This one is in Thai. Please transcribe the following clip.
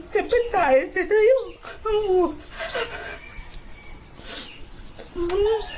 จะไปไหนจะได้อยู่ข้างบุตร